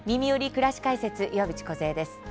くらし解説」岩渕梢です。